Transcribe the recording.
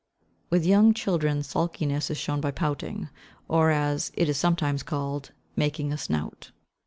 With young children sulkiness is shown by pouting, or, as it is sometimes called, "making a snout."